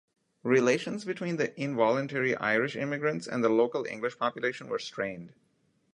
Relations between the involuntary Irish immigrants and the local English population were strained.